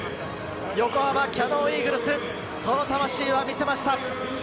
横浜キヤノンイーグルス、その魂は見せました。